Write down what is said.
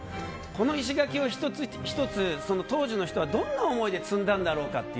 この石垣を１つ１つ当時の人は、どんな思いで積んだのかと。